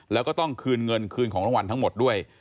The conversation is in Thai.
แล้วก็ต้องคืนเงินคืนของรางวัลทั้งหมดด้วย